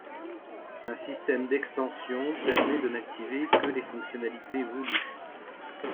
Un système d'extensions permet de n'activer que les fonctionnalités voulues.